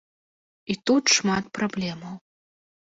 І тут шмат праблемаў.